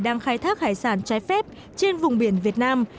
đang khai thác hải sản trái phép trên vùng biển việt nam